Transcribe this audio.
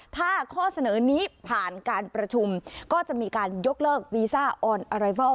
ถ้าข้อเสนอนี้ผ่านการประชุมก็จะมีการยกเลิกวีซ่าออนอะไรวัล